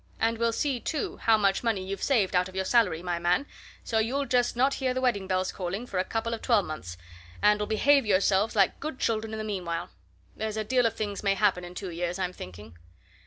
And we'll see, too, how much money you've saved out of your salary, my man so you'll just not hear the wedding bells calling for a couple of twelvemonths, and'll behave yourselves like good children in the meanwhile. There's a deal of things may happen in two years, I'm thinking."